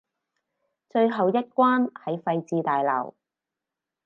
最後一關喺廢置大樓